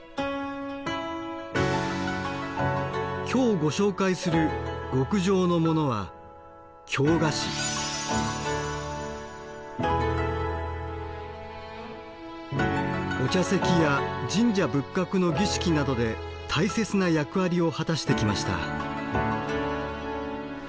今日ご紹介する極上のモノはお茶席や神社仏閣の儀式などで大切な役割を果たしてきました。